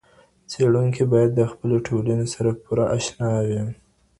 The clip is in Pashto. څېړونکی باید له خپلي ټولني سره پوره اشنا وي.